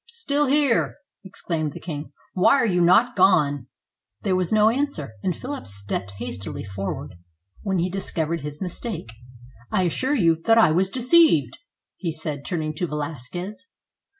"Still here!" exclaimed the king. " Why are you not gone? " There was no answer; and Philip stepped hastily for ward, when he discovered his mistake. "I assure you that I was deceived," he said, turning to Velasquez.